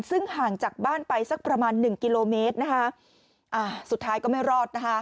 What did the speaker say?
ซึ่งห่างจากบ้านไปสักประมาณ๑กิโลเมตรสุดท้ายก็ไม่รอด